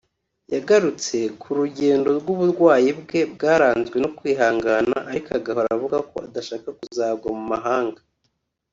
yagarutse ku rugendo rw’uburwayi bwe bwaranzwe no kwihangana ariko agahora avuga ko adashaka kuzagwa mu mahanga